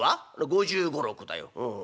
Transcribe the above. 「５５５６だよ」。